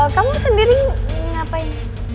kamu sendiri ngapain